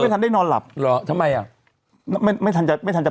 ทันได้นอนหลับเหรอทำไมอ่ะไม่ไม่ทันจะไม่ทันจะ